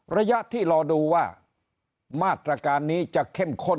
ระยะที่รอดูว่ามาตรการนี้จะเข้มข้น